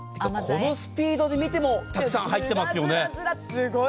このスピードで見てもたくさん入っていますよね。